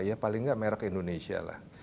ya paling nggak merek indonesia lah